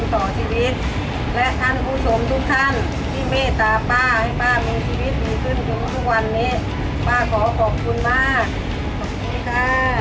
ต่อชีวิตและท่านผู้ชมทุกท่านที่เมตตาป้าให้ป้ามีชีวิตดีขึ้นทุกวันนี้ป้าขอขอบคุณมากขอบคุณค่ะ